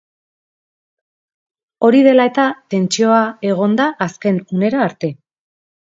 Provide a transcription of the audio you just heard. Hori dela eta, tentsioa egon da azken unera arte.